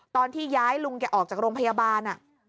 ตอนที่ย้ายลุงแกออกจากโรงพยาบาล